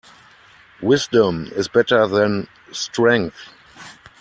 Wisdom is better than strength.